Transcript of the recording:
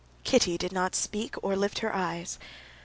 Kitty did not speak nor lift her eyes.